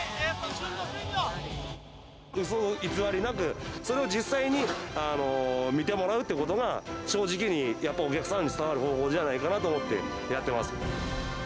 うそ偽りなく、それを実際に見てもらうっていうことが正直に、やっぱりお客さんに伝わる方法じゃないかなと思ってやってます。